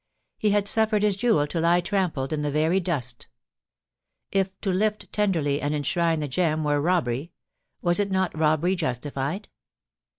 He had suffered his jewel to lie trampled in the very dust If to lift tenderly and enshrine the gem were robbery — ^was it not robbery justified?